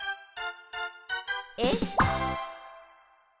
えっ？